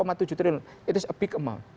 itu adalah jumlah yang sangat besar